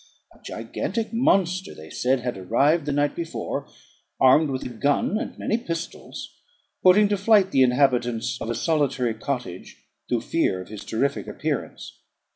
A gigantic monster, they said, had arrived the night before, armed with a gun and many pistols; putting to flight the inhabitants of a solitary cottage, through fear of his terrific appearance.